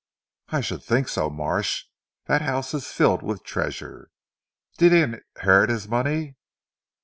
"I should think so Marsh. That house is filled with treasure! Did he inherit his money?"